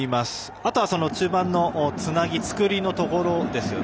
あとは中盤のつなぎ作りのところですね。